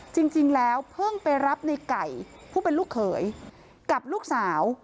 จริงแล้วเพิ่งไปรับในไก่ผู้เป็นลูกเขยกับลูกสาว